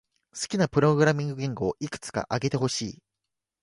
好きなプログラミング言語をいくつか挙げてほしい。